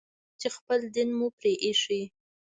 چې خپل دين مو پرې ايښى.